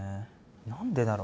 何でだろ。